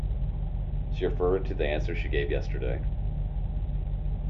She referred to the answer she gave yesterday.